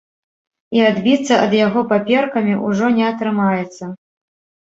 І адбіцца ад яго паперкамі ўжо не атрымаецца.